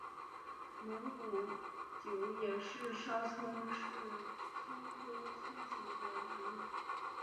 蒙古韭也称沙葱是葱科葱属的植物。